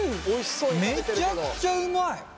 めちゃくちゃうまい！